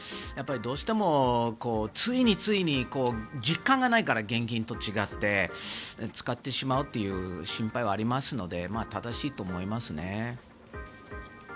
どうしてもついつい実感がないから現金と違って使ってしまうという心配はありますので正しいと思いますね。